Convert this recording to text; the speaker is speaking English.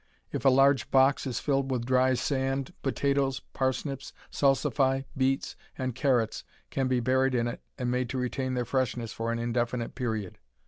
If a large box is filled with dry sand, potatoes, parsnips, salsify, beets, and carrots can be buried in it and made to retain their freshness for an indefinite period.